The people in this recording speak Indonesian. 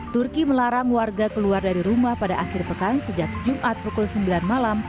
turki melarang warga keluar dari rumah pada akhir pekan sejak jumat pukul sembilan malam